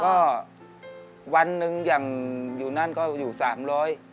ก็วันนึงอย่างอยู่นั่นก็อยู่๓๐๐บาท